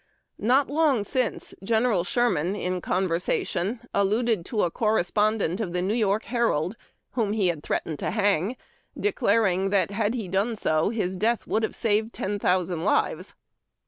Not long since. General Sherman, in conversation, alluded to a correspondent of the New York '' Herald " whom he had threatened to hang, declaring that had he done so his " death would have saved ten thousand lives."